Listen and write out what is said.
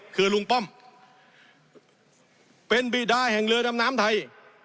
คือลุงป้อมเป็นบีดาแห่งเรือดำน้ำไทย